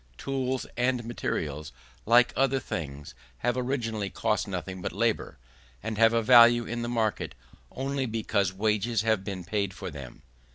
Tools and materials, like other things, have originally cost nothing but labour; and have a value in the market only because wages have been paid for them.